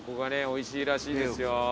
おいしいらしいですよ。